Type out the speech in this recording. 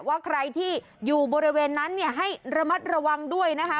ว่าใครที่อยู่บริเวณนั้นเนี่ยให้ระมัดระวังด้วยนะคะ